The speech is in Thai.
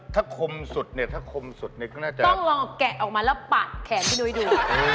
ถ้าคมสุดเนี่ยถ้าคมสุดเนี่ยก็น่าจะต้องลองแกะออกมาแล้วปัดแขนพี่นุ้ยดู